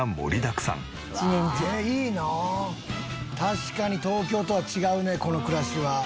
確かに東京とは違うねこの暮らしは。